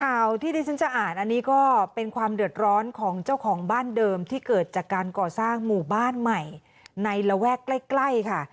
ข่าวที่ที่ฉันจะอ่านอันนี้ก็เป็นความเดือดร้อนของเจ้าของบ้านเดิมที่เกิดจากการก่อสร้างหมู่บ้านใหม่ในระแวกใกล้ค่ะ